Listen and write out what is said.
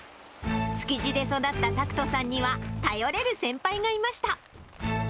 築地で育った拓人さんには、頼れる先輩がいました。